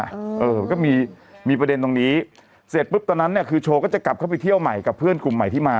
เออก็มีมีประเด็นตรงนี้เสร็จปุ๊บตอนนั้นเนี่ยคือโชว์ก็จะกลับเข้าไปเที่ยวใหม่กับเพื่อนกลุ่มใหม่ที่มา